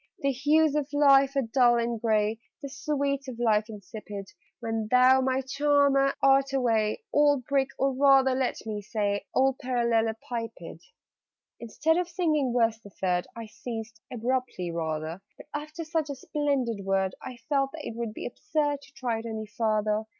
_ '_The hues of life are dull and gray, The sweets of life insipid, When thou, my charmer, art away Old Brick, or rather, let me say, Old Parallelepiped!_' Instead of singing Verse the Third, I ceased abruptly, rather: But, after such a splendid word, I felt that it would be absurd To try it any farther.